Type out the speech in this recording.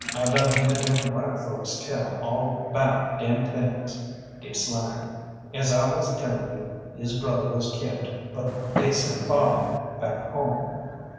I done hear dem white folks tell all 'bout dem things dis line. As I wuz tellin' you, his brother wuz kept, but dey sent father bac' home.